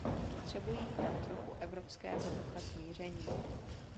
Potřebují tam trochu evropského ducha smíření.